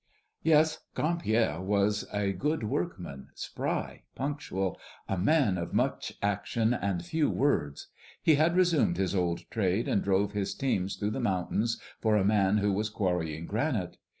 Yes, Grand Pierre was a good workman, spry, punctual, a man of much action and few words. He had resumed his old trade, and drove his teams through the mountains for a man who was quarrying granite.